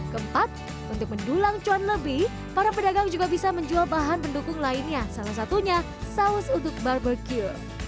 keempat untuk mendulang cuan lebih para pedagang juga bisa menjual bahan pendukung lainnya salah satunya saus untuk barbecue